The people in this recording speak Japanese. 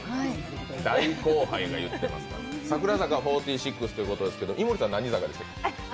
大後輩が言ってますけど、櫻坂４６ということですけど井森さんは何坂なんですっけ？